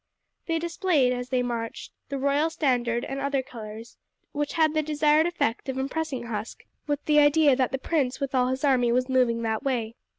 They displayed, as they marched, the royal standard and other colours, which had the desired effect of impressing Huske with the idea that the prince with all his army was moving that way.